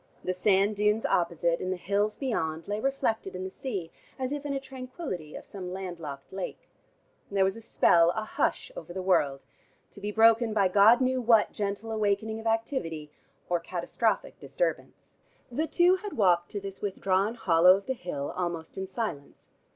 The sand dunes opposite, and the hills beyond, lay reflected in the sea, as if in the tranquillity of some land locked lake. There was a spell, a hush over the world, to be broken by God knew what gentle awakening of activity, or catastrophic disturbance. The two had walked to this withdrawn hollow of the hill almost in silence.